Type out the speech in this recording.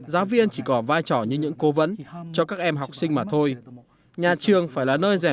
giáo viên chỉ có vai trò như những cố vấn cho các em học sinh mà thôi nhà trường phải là nơi rèn